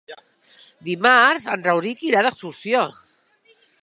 Dimarts en Rauric irà d'excursió.